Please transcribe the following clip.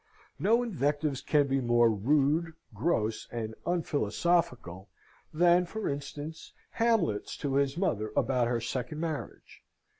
No invectives can be more rude, gross, and unphilosophical than, for instance, Hamlet's to his mother about her second marriage.